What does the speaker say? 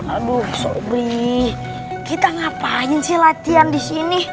aduh sobih kita ngapain sih latihan di sini